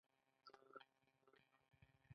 هره دوره تقریبا دولس اونۍ وخت نیسي.